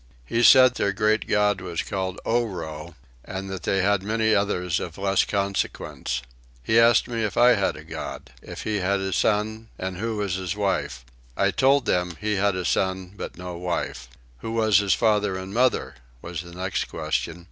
He said their great God was called Oro; and that they had many others of less consequence. He asked me if I had a God? if he had a son? and who was his wife? I told them he had a son but no wife. Who was his father and mother? was the next question.